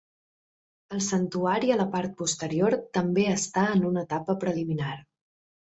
El santuari a la part posterior també està en una etapa preliminar.